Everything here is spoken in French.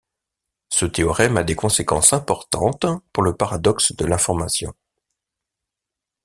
Ce théorème a des conséquences importantes pour le paradoxe de l'information.